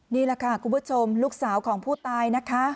นี่มันเลยค่ะหมอบค่ะคุณผู้ชมลูกสาวของผู้ไตล์นะคะ